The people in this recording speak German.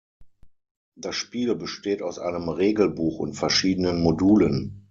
Das Spiel besteht aus einem Regelbuch und verschiedenen Modulen.